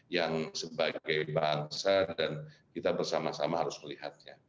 yang sebagai bangsa dan kita bersama sama harus melihatnya